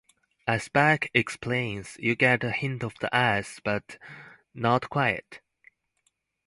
As Beck explains, You get a hint of the 'S', but not quite.